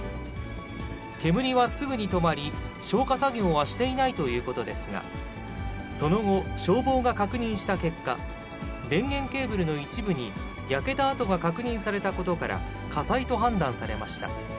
煙はすぐに止まり、消火作業はしていないということですが、その後、消防が確認した結果、電源ケーブルの一部に焼けた跡が確認されたことから、火災と判断されました。